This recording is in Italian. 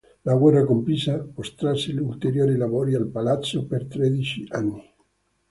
La guerra con Pisa protrasse ulteriori lavori al palazzo per tredici anni.